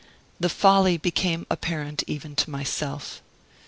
The folly became apparent even to myself.